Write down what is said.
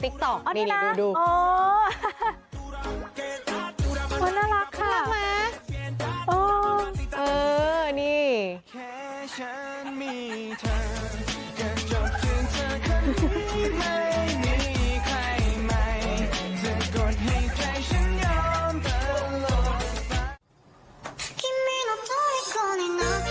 ถึงกดให้ใจฉันยอมเติบลงไป